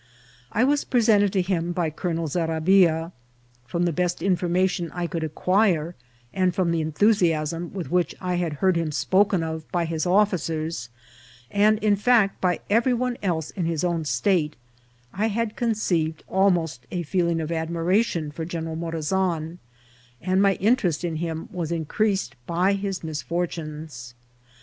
I was presented to him by Colonel Zerabia. From the best information I could acquire, and from the enthusiasm with which I had heard him spoken of by his officers, and, in fact, by every one else in his own state, I had conceived al most a feeling of admiration for General Morazan, and my interest in him was increased by his misfor tunes.